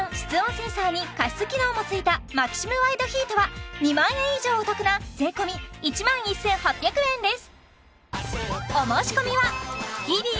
センサーに加湿機能もついたマキシムワイドヒートは２万円以上お得な税込１万１８００円です